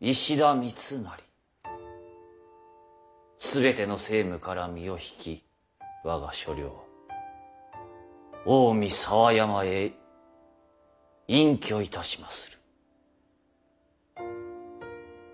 石田三成全ての政務から身を引き我が所領近江佐和山へ隠居いたしまする。